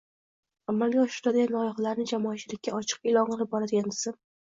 amalga oshiradigan loyihalarini jamoatchilikka ochiq e’lon qilib boradigan tizim